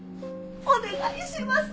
お願いします